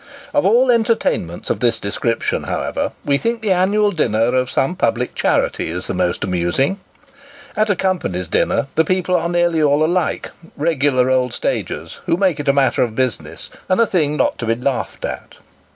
Of all entertainments of this description, however, we think the annual dinner of some public charity is the most amusing. At a Company's dinner, the people are nearly all alike regular old stagers, who make it a matter of business, and a thing not to be laughed at.